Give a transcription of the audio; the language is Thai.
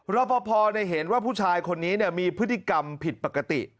รบปภเนี่ยเห็นว่าผู้ชายคนนี้เนี่ยมีพฤติกรรมผิดปกติ